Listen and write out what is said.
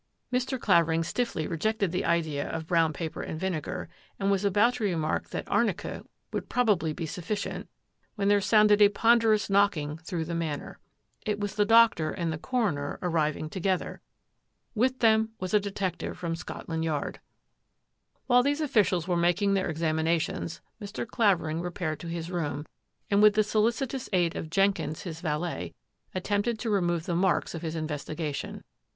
Mr. Clavering stiffly rejected the idea of brown paper and vinegar, and was about to remark that arnica would probably be sufficient when there sounded a ponderous knocking through the Manor. It was the doctor and the coroner arriving to 68 THAT AFFAIR AT THE MANOR gether. With them was a detective from Scot land Yard. While these officials were making their examina tions, Mr. Clavering repaired to his room, and with the solicitous aid of Jenkins, his valet, at tempted to remove the marks of his investigation.